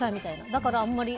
だからあんまり。